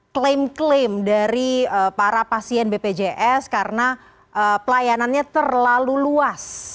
klaim klaim dari para pasien bpjs karena pelayanannya terlalu luas